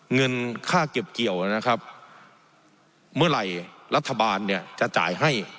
เงินค่าเก็บเกี่ยวนะครับเมื่อไหร่รัฐบาลเนี่ยจะจ่ายให้